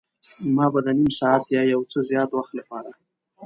ما به د نیم ساعت یا یو څه زیات وخت لپاره.